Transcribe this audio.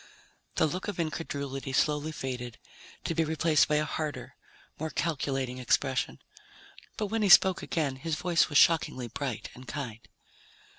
The look of incredulity slowly faded, to be replaced by a harder, more calculating expression. But when he spoke again, his voice was shockingly bright and kind.